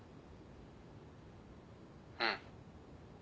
うん。